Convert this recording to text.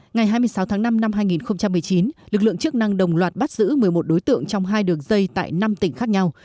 ngày hai mươi sáu tháng năm năm hai nghìn một mươi chín lực lượng chức năng đồng loạt bắt giữ một mươi một đối tượng trong hai đường dây tại năm tỉnh khác nhau